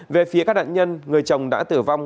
về phía các nạn nhân người chồng đã tử vong